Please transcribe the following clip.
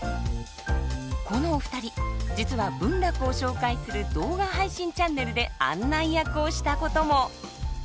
このお二人実は文楽を紹介する動画配信チャンネルで案内役をしたことも！